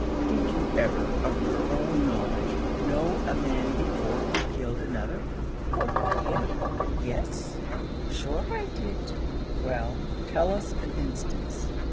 "Did you ever, of your own knowledge, know a man before who killed another?" "Oh dear! yes; shure I did." "Well, tell us an instance."